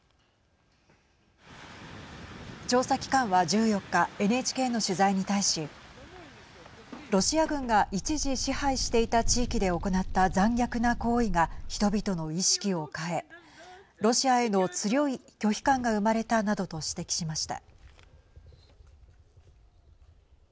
調査機関は１４日ＮＨＫの取材に対しロシア軍が一時支配していた地域で行った残虐な行為が人々の意識を変えロシアへの強い拒否感が生まれたなどと指摘しました。